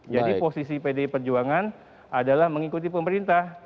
jadi posisi pdi perjuangan adalah mengikuti pemerintah